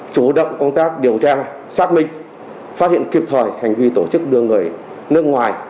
chủ động công tác điều tra xác minh phát hiện kịp thời hành vi tổ chức đưa người nước ngoài